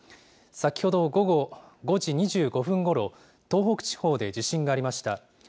先ほど午後５時２５分ごろ、東北地方で地震がありました。